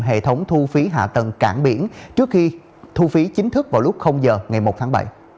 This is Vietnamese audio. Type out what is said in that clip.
hệ thống thu phí hạ tầng cảng biển trước khi thu phí chính thức vào lúc giờ ngày một tháng bảy